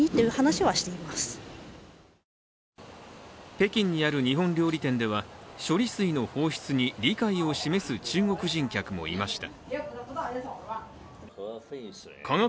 北京にある日本料理店では処理水の放出に理解を示す中国人客もいました。